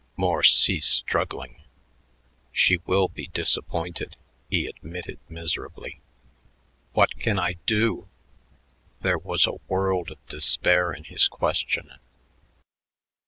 Morse ceased struggling. "She will be disappointed," he admitted miserably. "What can I do?" There was a world of despair in his question.